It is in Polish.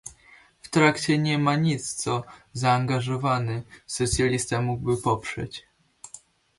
W traktacie nie ma nic, co zaangażowany socjalista mógłby poprzeć